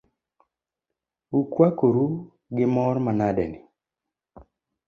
Ukwakoru gi mor manade ni ?